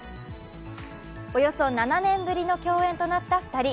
およそ７年ぶりの共演となった２人。